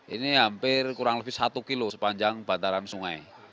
ini hampir kurang lebih satu kilo sepanjang bantaran sungai